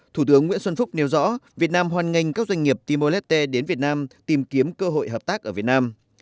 thủ tướng nguyễn xuân phúc nêu rõ việt nam hoàn ngành các doanh nghiệp timolete đến việt nam tìm kiếm cơ hội hợp tác ở việt nam